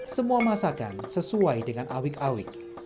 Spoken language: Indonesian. semua masakan sesuai dengan awik awik